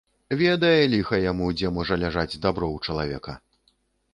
Ведае, ліха яму, дзе можа ляжаць дабро ў чалавека.